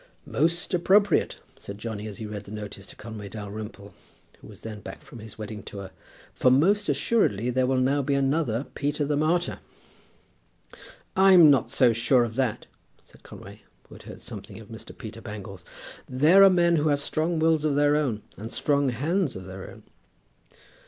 "Most appropriate," said Johnny, as he read the notice to Conway Dalrymple, who was then back from his wedding tour; "for most assuredly there will be now another Peter the Martyr." "I'm not so sure of that," said Conway, who had heard something of Mr. Peter Bangles. "There are men who have strong wills of their own, and strong hands of their own."